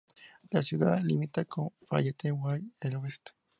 La ciudad limita con Fayetteville al oeste.